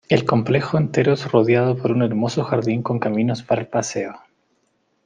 El complejo entero es rodeado por un hermoso jardín con caminos para el paseo.